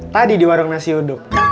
tadi di warung nasi uduk